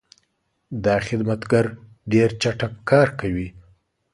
دا خدمتګر ډېر چټک کار کوي.